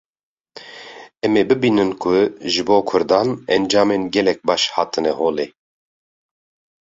em ê bibînin ku ji bo Kurdan encamên gelek baş hatine holê